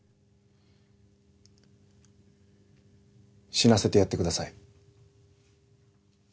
死なせてやってください